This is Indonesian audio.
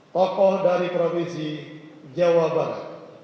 tokoh dari provinsi jawa barat